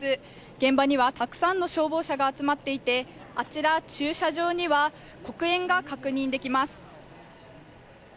現場にはたくさんの消防車が集まっていて、あちら、駐車場には黒煙が確認できます。